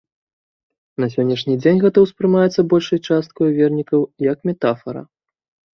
На сённяшні дзень гэта ўспрымаецца большай часткаю вернікаў як метафара.